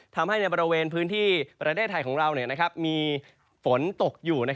ทำให้ในบริเวณพื้นที่ประเทศไทยของเรามีฝนตกอยู่